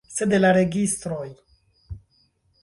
Sed la registroj!